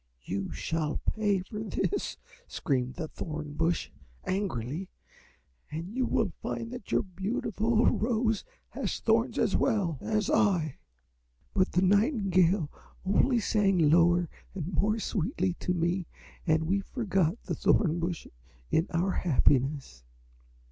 "'You shall pay for this,' screamed the Thorn Bush, angrily, 'and you will find that your beautiful Rose has thorns as well as I.' But the nightingale only sang lower and more sweetly to me, and we forgot the Thorn Bush in our happiness.